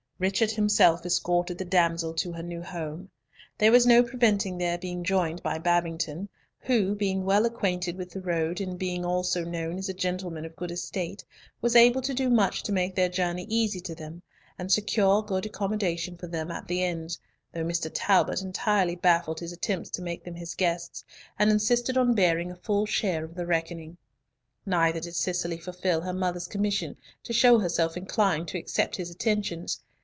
Richard himself escorted the damsel to her new home. There was no preventing their being joined by Babington, who, being well acquainted with the road, and being also known as a gentleman of good estate, was able to do much to make their journey easy to them, and secure good accommodation for them at the inns, though Mr. Talbot entirely baffled his attempts to make them his guests, and insisted on bearing a full share of the reckoning. Neither did Cicely fulfil her mother's commission to show herself inclined to accept his attentions.